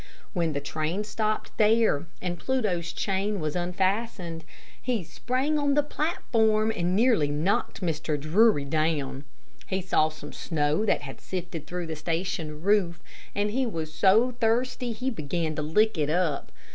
When the train stopped there, and Pluto's chain was unfastened, he sprang out on the platform and nearly knocked Mr. Drury down. He saw some snow that had sifted through the station roof and he was so thirsty that he began to lick it up.